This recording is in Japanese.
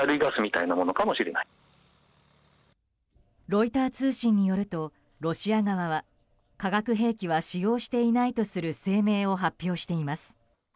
ロイター通信によるとロシア側は化学兵器は使用していないとする声明を発表しています。